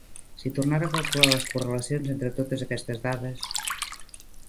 Si tornara a calcular les correlacions entre totes aquestes dades!